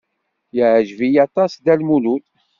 Yeɛjeb-iyi aṭas Dda Lmulud.